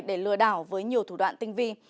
để lừa đảo với nhiều thủ đoạn tinh vi